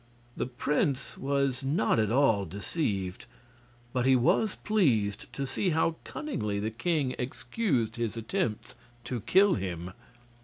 The prince was not at all deceived, but he was pleased to see how cunningly the king excused his attempts to kill him.